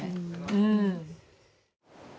うん。